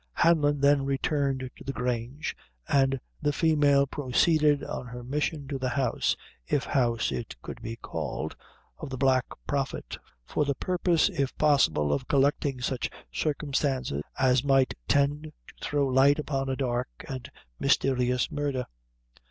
Hanlon then returned to the Grange, and the female proceeded on her mission to the house, if house it could be called, of the Black Prophet, for the purpose, if possible, of collecting such circumstances as might tend to throw light upon a dark and mysterious murder.